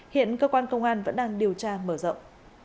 hiện cơ quan công an vẫn đang điều tra mở rộng